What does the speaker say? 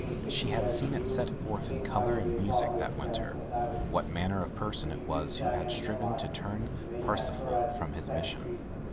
She had seen it set forth in color and music that winter what manner of person it was who had striven to turn Parsifal from his mission.